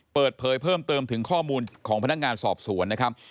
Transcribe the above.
เปิดเผยเพิ่มเติมถึงข้อมูลของพนักงานสอบสวนนะครับ